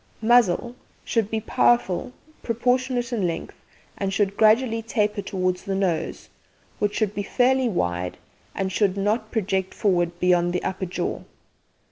MUZZLE Should be powerful, proportionate in length, and should gradually taper towards the nose, which should be fairly wide, and should not project forward beyond the upper jaw.